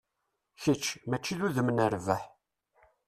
Kečč, mačči d udem n rrbeḥ.